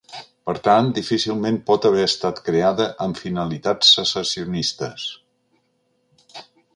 Per tant, difícilment pot haver estat creada amb ‘finalitats secessionistes’.